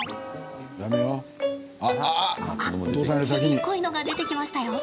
あっ、ちびっこいのが出てきましたよ。